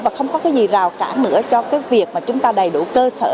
và không có gì rào cản nữa cho việc chúng ta đầy đủ cơ sở